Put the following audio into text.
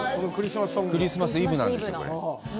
クリスマスイブなんですよ、これ。